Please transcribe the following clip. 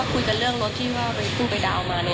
ก็วันนี้เรื่องงาน๒ทุ่ง